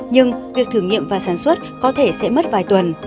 nhưng việc thử nghiệm và sản xuất có thể sẽ mất vài tuần